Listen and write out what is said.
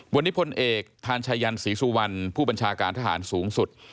วันนี้พลเอกทานชายันศรีสุวรรณผู้บัญชาการทหารสูงสุด